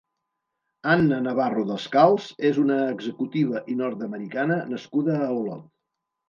Anna Navarro Descals és una executiva i nord-americana nascuda a Olot.